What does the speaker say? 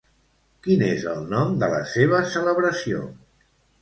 Quin és el nom de la seva celebració?